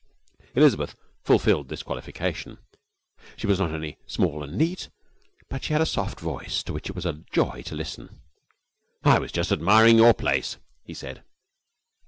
Elizabeth fulfilled this qualification. She was not only small and neat, but she had a soft voice to which it was a joy to listen. 'I was just admiring your place,' he said.